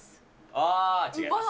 あー、違います。